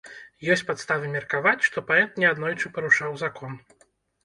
Ёсць падставы меркаваць, што паэт неаднойчы парушаў закон.